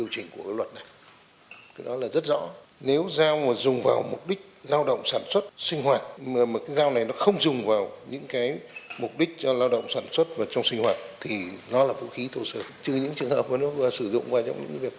trừ những trường hợp của nó sử dụng và những việc đó